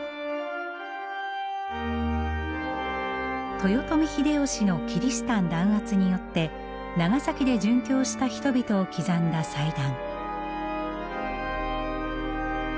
豊臣秀吉のキリシタン弾圧によって長崎で殉教した人々を刻んだ祭壇。